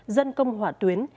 dân công hỏa tuyến